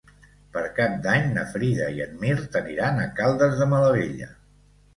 Per Cap d'Any na Frida i en Mirt aniran a Caldes de Malavella.